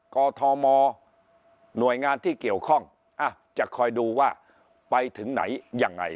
กอทมหน่วยงานที่เกี่ยวข้องจะคอยดูว่าไปถึงไหนยังไง